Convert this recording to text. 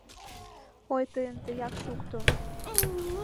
— Ой тыйын — тыяк шукто.